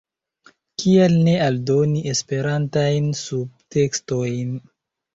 Kial ne aldoni Esperantajn subtekstojn?